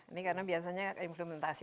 ini karena biasanya implementasi